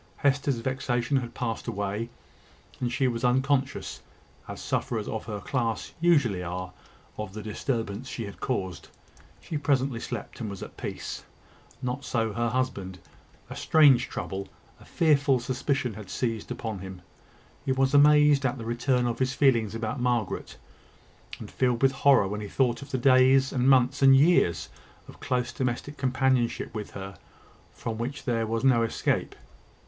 Hester's vexation had passed away, and she was unconscious, as sufferers of her class usually are, of the disturbance she had caused. She presently slept and was at peace. Not so her husband. A strange trouble a fearful suspicion had seized upon him. He was amazed at the return of his feelings about Margaret, and filled with horror when he thought of the days, and months, and years of close domestic companionship with her, from which there was no escape.